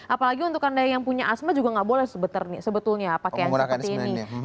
apalagi untuk anda yang punya asma juga nggak boleh sebetulnya pakaian seperti ini